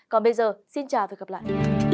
còn bây giờ xin chào và gặp lại